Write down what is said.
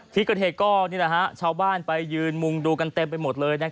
ที่เกิดเหตุก็ชาวบ้านไปยืนมุงดูกันเต็มไปหมดเลย